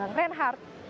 ren apa pendapat anda